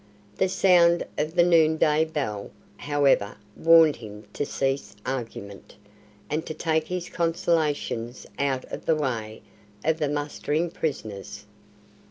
The sound of the noonday bell, however, warned him to cease argument, and to take his consolations out of the way of the mustering prisoners.